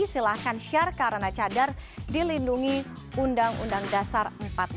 silahkan share karena cadar dilindungi undang undang dasar seribu sembilan ratus empat puluh lima